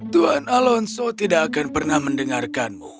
tuhan alonso tidak akan pernah mendengarkanmu